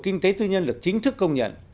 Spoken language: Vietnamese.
kinh tế tư nhân được chính thức công nhận